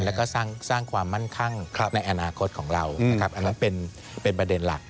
แล้วก็สร้างความมั่นคั่งในอนาคตของเรานะครับอันนั้นเป็นประเด็นหลัก